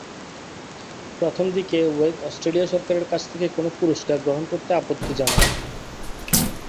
প্রথম দিকে ওয়েক অস্ট্রেলিয়া সরকারের কাছ থেকে কোন পুরস্কার গ্রহণ করতে আপত্তি জানান।